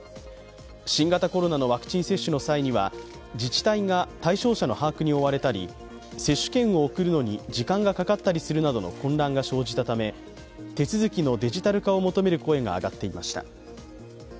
新型コロナのワクチン接種の際には自治体が対象者の把握に追われたり、接種券を送るのに時間がかかったりするなどの混乱が生じたため、手続きのデジタル化を求める声が上がっていました。